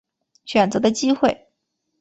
选择的机会